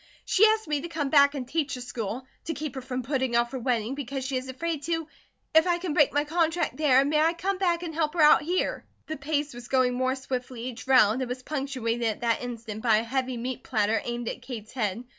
"She asked me to come back and teach the school to keep her from putting off her wedding because she is afraid to If I can break my contract there may I come back and help her out here?" The pace was going more swiftly each round, it was punctuated at that instant by a heavy meat platter aimed at Kate's head.